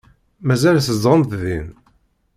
Mazal tzedɣemt din?